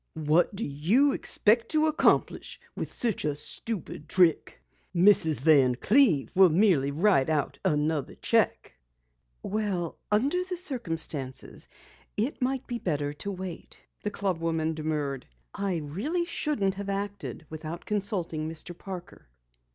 "What do you expect to accomplish by such a stupid trick? Mrs. Van Cleve will merely write out another cheque." "Well, under the circumstance, it might be better to wait," the club woman demurred. "I really shouldn't have acted without consulting Mr. Parker."